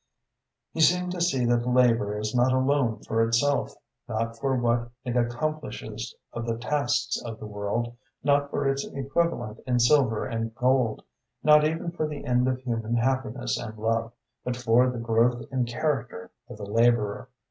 He seemed to see that labor is not alone for itself, not for what it accomplishes of the tasks of the world, not for its equivalent in silver and gold, not even for the end of human happiness and love, but for the growth in character of the laborer.